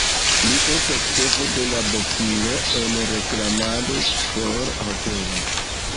Li estas ĉefo de la bofilo en reklamado por hotelo.